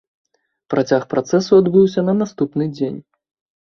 Працяг працэсу адбыўся на наступны дзень.